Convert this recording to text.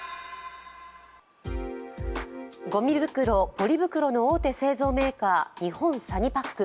ごみ袋・ポリ袋の大手製造メーカー日本サニパック。